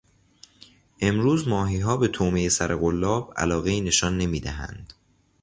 امروز ماهیها به طعمهی سرقلاب علاقهای نشان نمیدهند.